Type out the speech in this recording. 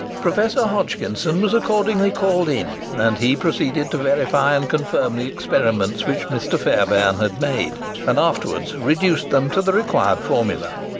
Professor Hodgkinson was accordingly called in, and he proceeded to verify and confirm the experiments which Mr. Fairbairn had made, and afterwards reduced them to the required formula.